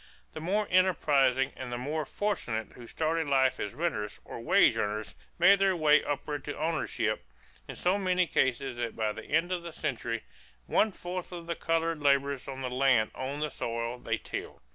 The more enterprising and the more fortunate who started life as renters or wage earners made their way upward to ownership in so many cases that by the end of the century, one fourth of the colored laborers on the land owned the soil they tilled.